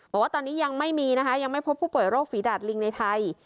บอกว่าตอนนี้ยังไม่มีนะคะยังไม่พบผู้ป่วยโรคฝีดาดลิงในไทย